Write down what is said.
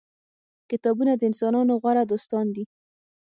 کتابونه د انسانانو غوره دوستان دي.